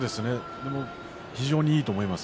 非常にいいと思います。